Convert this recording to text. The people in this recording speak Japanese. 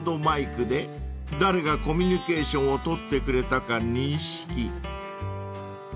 マイクで誰がコミュニケーションを取ってくれたか認識］